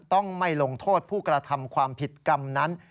ต้องไม่ลงโทษผู้กระทำความผิดกรรมนั้น